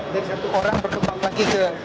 dari satu orang berkembang lagi ke